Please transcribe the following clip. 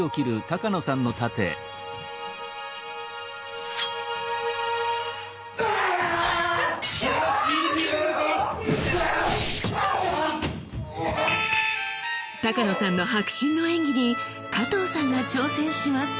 多加野さんの迫真の演技に加藤さんが挑戦します！